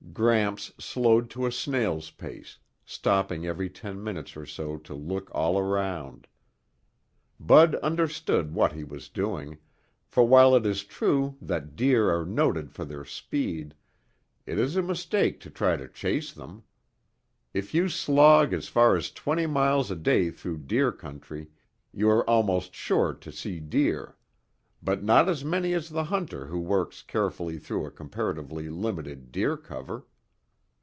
Gramps slowed to a snail's pace, stopping every ten minutes or so to look all around. Bud understood what he was doing, for while it is true that deer are noted for their speed, it is a mistake to try to chase them. If you slog as far as twenty miles a day through deer country, you are almost sure to see deer, but not as many as the hunter who works carefully through a comparatively limited deer cover.